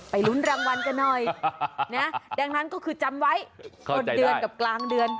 ลุ้นรางวัลกันหน่อยนะดังนั้นก็คือจำไว้ต้นเดือนกับกลางเดือน